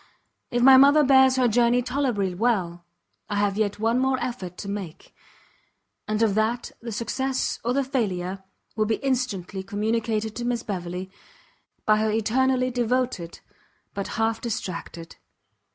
If my mother bears her journey tolerably well, I have yet one more effort to make; and of that the success or the failure will be instantly communicated to Miss Beverley, by her eternally devoted, but half distracted.